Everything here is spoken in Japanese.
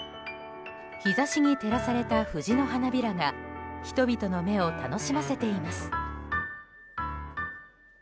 日差しに照らされた藤の花びらが人々の目を楽しませています。